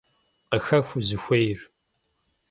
Къыхэх узыхуейр.